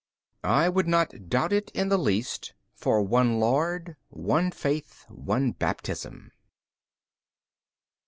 B. I would not doubt it in the least, for One Lord, One faith, One Baptism.